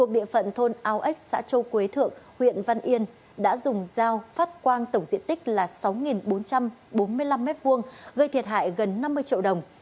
đã dùng dao phát quang tổng diện tích là sáu bốn trăm bốn mươi năm m hai gây thiệt hại gần năm mươi triệu đồng